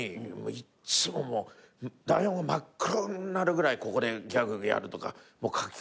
いっつも台本真っ黒になるぐらい「ここでギャグやる」とか書き込んでて。